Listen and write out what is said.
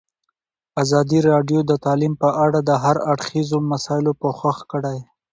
ازادي راډیو د تعلیم په اړه د هر اړخیزو مسایلو پوښښ کړی.